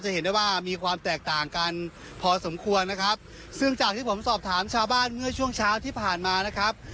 เห็นได้ว่ามีความแตกต่างกันพอสมควรนะครับซึ่งจากที่ผมสอบถามชาวบ้านเมื่อช่วงเช้าที่ผ่านมานะครับ